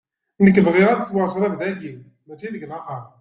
Nekk bɣiɣ ad sweɣ ccrab dagi, mačči deg laxeṛt.